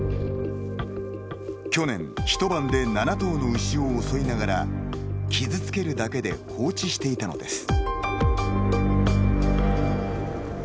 去年、一晩で７頭の牛を襲いながら傷つけるだけで放置していたのです。